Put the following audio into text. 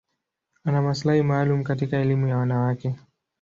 Ana maslahi maalum katika elimu ya wanawake.